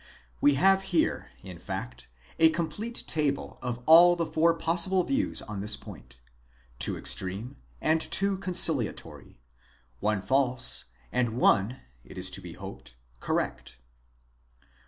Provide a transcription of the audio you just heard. We have here in fact a complete table of all the four possible views on this point : two extreme and two conciliatory ; one false and one, it is to be Bee correct.